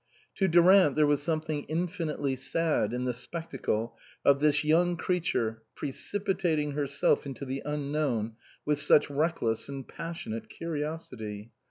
To Durant there was something infinitely sad in the spectacle of this young creature precipitating herself into the unknown with such reckless and passionate curiosity.